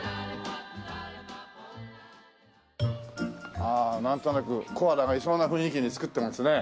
ああなんとなくコアラがいそうな雰囲気に作ってますね。